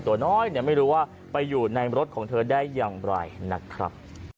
ตัวน้อยไม่รู้ว่าไปอยู่ในรถของเธอได้อย่างไรนะครับ